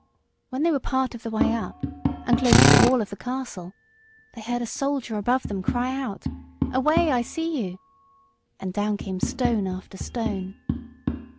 When they were part of the way up, and close to the wall of the castle, they heard a soldier above them cry out "Away, I see you," and down came stone after stone.